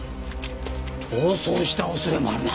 逃走した恐れもあるな。